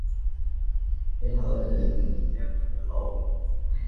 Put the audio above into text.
ইহা লইয়া যদি তোমার তৃপ্তি হয় তবে লও।